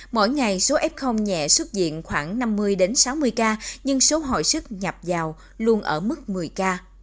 mỗi ngày số f nhẹ xuất diện khoảng năm mươi sáu mươi ca nhưng số hồi sức nhập vào luôn ở mức một mươi ca